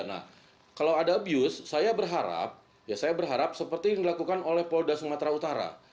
nah kalau ada abuse saya berharap ya saya berharap seperti yang dilakukan oleh polda sumatera utara